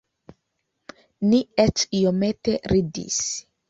Ni eĉ iomete ridis.